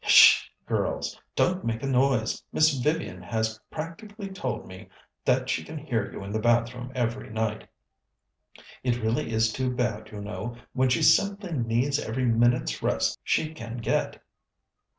"H'sh, girls! Don't make a noise. Miss Vivian has practically told me that she can hear you in the bathroom every night. It really is too bad, you know, when she simply needs every minute's rest she can get."